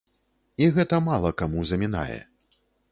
І гэта мала каму замінае.